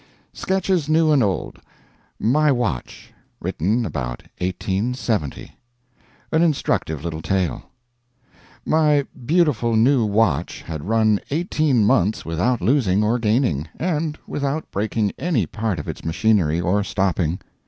SKETCHES NEW AND OLD MY WATCH [Written about 1870.] AN INSTRUCTIVE LITTLE TALE My beautiful new watch had run eighteen months without losing or gaining, and without breaking any part of its machinery or stopping.